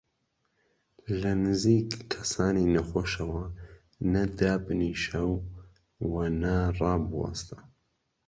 لە نزیک کەسانی نەخۆشەوە نە دابنیشە و وە نەڕابوەستە.